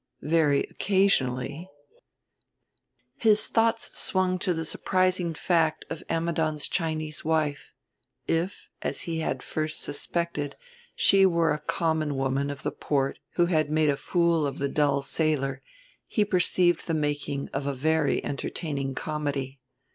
Very occasionally His thoughts swung to the surprising fact of Ammidon's Chinese wife: if, as he had first suspected, she were a common woman of the port who had made a fool of the dull sailor he perceived the making of a very entertaining comedy.